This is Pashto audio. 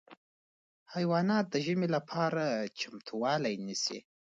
حیوانات د ژمي لپاره چمتووالی نیسي.